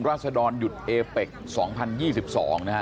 รัศดรยุทธเอภแป๊กสองพันยี่สิบสองนะครับ